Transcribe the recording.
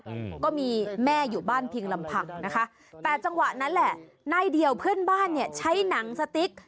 อืมก็มีแม่อยู่บ้านเพียงลำพังนะคะแต่จังหวะนั้นแหละนายเดียวเพื่อนบ้านเนี่ยใช้หนังสติ๊ก